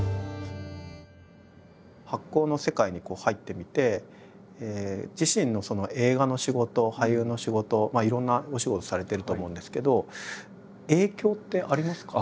発酵の世界に入ってみて自身の映画の仕事俳優の仕事いろんなお仕事されてると思うんですけど影響ってありますか？